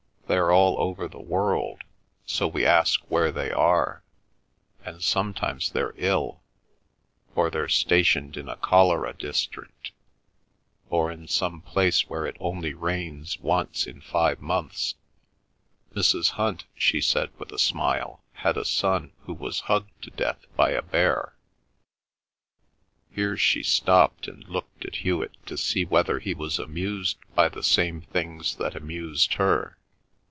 They're all over the world; so we ask where they are, and sometimes they're ill, or they're stationed in a cholera district, or in some place where it only rains once in five months. Mrs. Hunt," she said with a smile, "had a son who was hugged to death by a bear." Here she stopped and looked at Hewet to see whether he was amused by the same things that amused her.